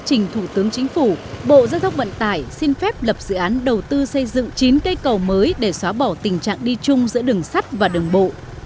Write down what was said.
công ty vận tải xin phép lập dự án đầu tư xây dựng chín cây cầu mới để xóa bỏ tình trạng đi chung giữa đường sắt và đường bộ